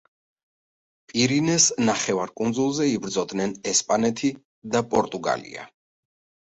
პირენეს ნახევარკუნძულზე იბრძოდნენ ესპანეთი და პორტუგალია.